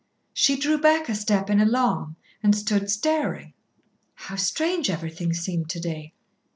She drew back a step in alarm and stood staring. How strange everything seemed to day.